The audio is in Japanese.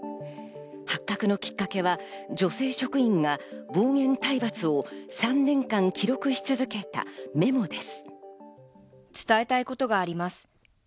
発覚のきっかけは女性職員が暴言、体罰を３年間、記録し続けたメモです。